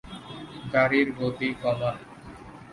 গাড়ির গতি কমান।